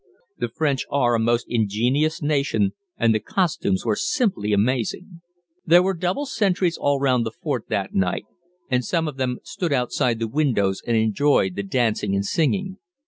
The French are a most ingenious nation, and the costumes were simply amazing. There were double sentries all round the fort that night, and some of them stood outside the windows and enjoyed the dancing and singing.